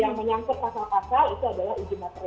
yang menyangkut pasal pasal itu adalah uji materi